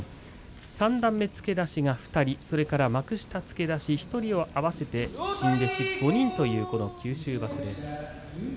三段目付け出しが２人それから幕下付け出し１人を合わせて新弟子５人というこの九州場所です。